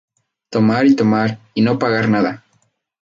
Tomar y tomar y no pagar nada.